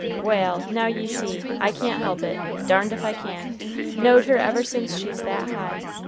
"Wal', now ye see, I can't help it, darned if I can; knowed her ever since she's that high.